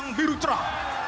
yang biru cerah